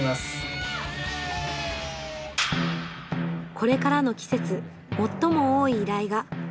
これからの季節最も多い依頼が蜂の巣の駆除。